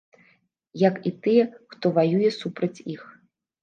Як і тыя, хто ваюе супраць іх.